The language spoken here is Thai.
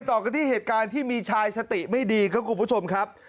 ต่อกันที่เหตุการณ์ที่มีชายสติไม่ดีครับคุณผู้ชมครับ